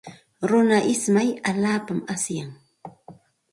Runa ismay allaapaqmi asyan.